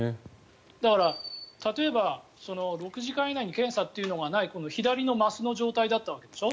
だから、例えば６時間以内に検査というのがない左のマスの状態だったわけでしょ？